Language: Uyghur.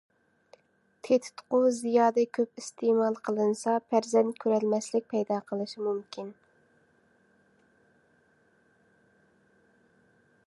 تېتىتقۇ زىيادە كۆپ ئىستېمال پەرزەنت كۆرەلمەسلىك پەيدا قىلىشى مۇمكىن.